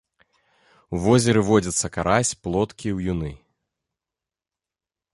У возеры водзяцца карась, плоткі, уюны.